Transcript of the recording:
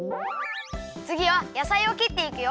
つぎはやさいをきっていくよ。